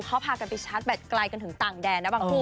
เขาพากันไปชาร์จแบตไกลกันถึงต่างแดนนะบางคู่